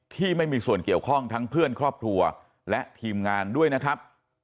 ที่มีส่วนเกี่ยวข้องทั้งเพื่อนครอบครัวและทีมงานด้วยนะครับ